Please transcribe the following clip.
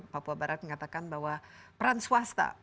papua barat mengatakan bahwa peran swasta